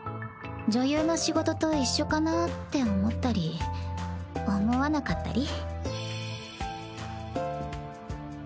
女優の仕事と一緒かなぁって思ったり思わなかったり？